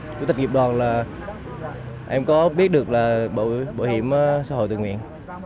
chủ tịch nghiệp đoàn là em có biết được là bảo hiểm xã hội tự nguyện